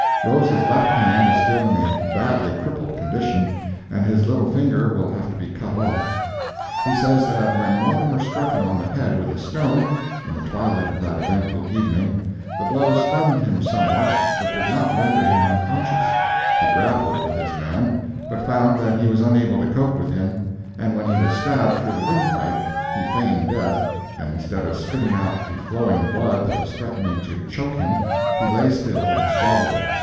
Rose's left hand is still in a badly crippled condition, and his little finger will have to be cut off. He says that when Mortimer struck him on the head with a stone, in the twilight of that eventful evening, the blow stunned him somewhat, but did not render him unconscious; he grappled with his man, but found that he was unable to cope with him, and when he was stabbed through the windpipe, he feigned death, and instead of spitting out the flowing blood that was threatening to choke him, he lay still and swallowed it.